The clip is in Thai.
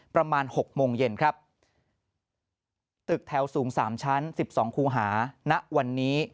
ประมาณ๖โมงเย็นครับตึกแถวสูง๓ชั้น๑๒ครูหาณวันนี้